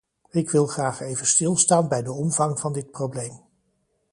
Ik wil graag even stilstaan bij de omvang van dit probleem.